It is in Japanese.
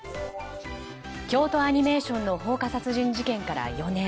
京都アニメーションの放火殺人事件から４年。